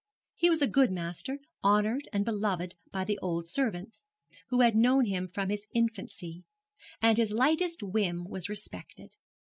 He was a good master, honoured and beloved by the old servants, who had known him from his infancy; and his lightest whim was respected.